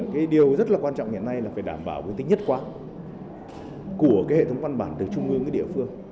cái điều rất là quan trọng ngày nay là phải đảm bảo cái tính nhất quả của cái hệ thống văn bản từ trung ương cái địa phương